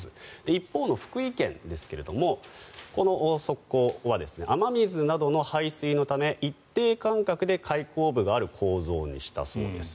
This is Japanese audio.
一方の福井県ですがこの側溝は雨水などの排水のため一定間隔で開口部がある構造にしたそうです。